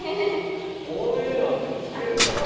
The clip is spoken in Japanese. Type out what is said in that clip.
こういうのって着けるかな？